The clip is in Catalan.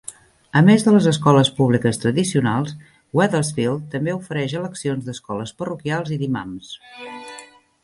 A més de les escoles públiques tradicionals, Wethersfield també ofereix eleccions d'escoles parroquials i d'imants.